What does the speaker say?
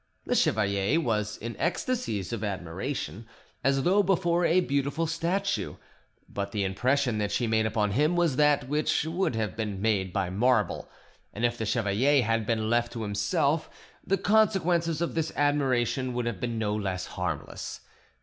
The chevalier was in ecstasies of admiration, as though before a beautiful statue, but the impression that she made upon him was that which would have been made by marble, and if the chevalier had been left to himself the consequences of this admiration would have been no less harmless.